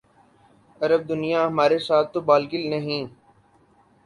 عرب دنیا ہمارے ساتھ تو بالکل نہیں۔